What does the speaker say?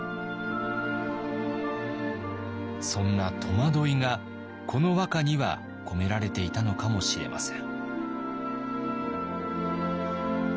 そんな戸惑いがこの和歌には込められていたのかもしれません。